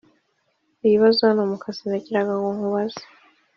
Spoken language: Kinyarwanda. ibibazo hano mukazi nagiraga ngo nkubaze